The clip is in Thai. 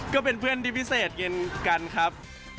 ก็เป็นเพื่อนที่พิเศษเย็นกันครับ